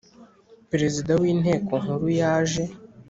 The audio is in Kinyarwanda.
Perezida w Inteko Nkuru yaje